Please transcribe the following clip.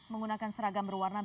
menggunakan seragam berwarna merah